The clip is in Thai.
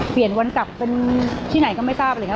เปลี่ยนวันกลับเป็นที่ไหนก็ไม่ทราบเลยครับ